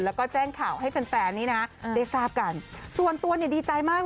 แล้วก็แจ้งข่าวให้แฟนแฟนนี้นะได้ทราบกันส่วนตัวเนี่ยดีใจมาก